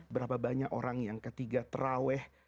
berapa banyak orang yang ketiga terawih